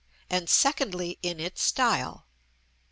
And, secondly, in its style.